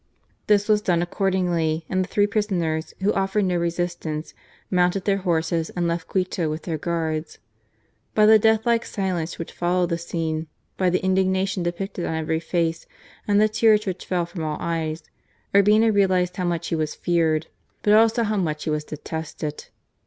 This was done accordingly, and the three prisoners, who offered no resistance, mounted their horses and left Quito with their guards. By the death like silence which followed the scene, by the indignation depicted on every face and the tears which fell from all eyes, Urbina realized how much he was feared, but also how much he was detested.